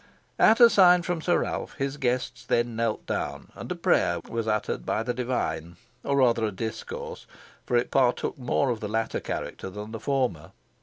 At a sign from Sir Ralph, his guests then knelt down, and a prayer was uttered by the divine or rather a discourse, for it partook more of the latter character than the former.